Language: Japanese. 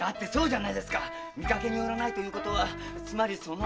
見かけによらないということはつまりその。